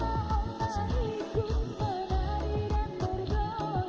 lihat bintang malam bersinar di langit terang